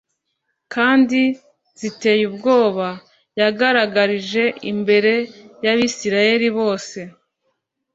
kandi ziteye ubwoba yagaragarije imbere y’Abisirayeli bose.